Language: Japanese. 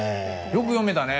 よく読めたね。